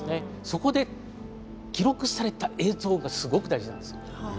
そこで記録された映像がすごく大事なんです。